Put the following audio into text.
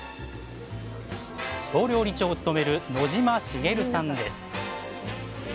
総料理長を務める野島茂さんです。